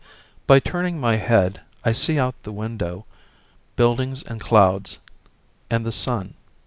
By turning my head I see out of the window buildings and clouds and the sun.